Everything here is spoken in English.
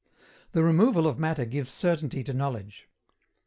THE REMOVAL OF MATTER GIVES CERTAINTY TO KNOWLEDGE.